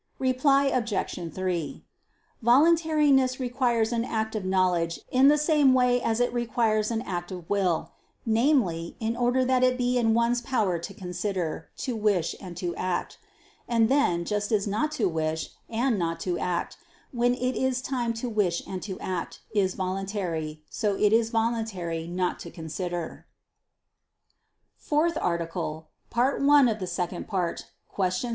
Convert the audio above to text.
Reply Obj. 3: Voluntariness requires an act of knowledge in the same way as it requires an act of will; namely, in order that it be in one's power to consider, to wish and to act. And then, just as not to wish, and not to act, when it is time to wish and to act, is voluntary, so is it voluntary not to consider. ________________________ FOURTH ARTICLE [I II, Q.